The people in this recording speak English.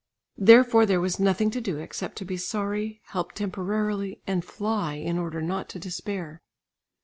Therefore there was nothing to do except to be sorry, help temporarily, and fly in order not to despair.